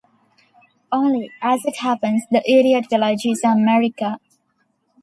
Only, as it happens, the idiot village is America.